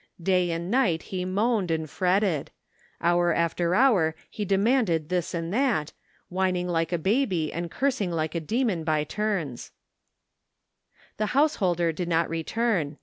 Day and night he moaned and fretted 134 THE FINDING OF JASPER HOLT Hour after hour he demanded this and that, whining like a baby and cursing like a demon by turns. The hfouseholder did not return.